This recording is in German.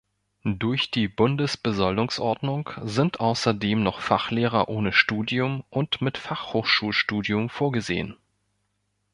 Durch die Bundesbesoldungsordnung sind außerdem noch Fachlehrer ohne Studium und mit Fachhochschulstudium vorgesehen.